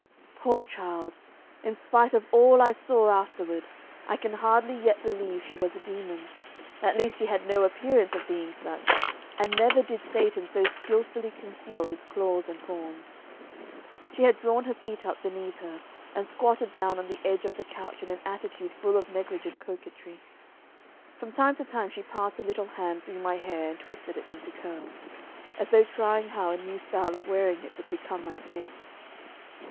Poor child! in spite of all I saw afterward, I can hardly yet believe she was a demon; at least she had no appearance of being such, and never did Satan so skilfully conceal his claws and horns. She had drawn her feet up beneath her, and squatted down on the edge of the couch in an attitude full of negligent coquetry. From time to time she passed her little hand through my hair and twisted it into curls, as though trying how a new style of wearing it would become my face.